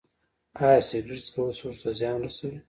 ایا سګرټ څکول سږو ته زیان رسوي